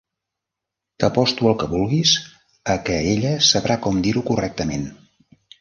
T'aposto el que vulguis a que ella sabrà com dir-ho correctament.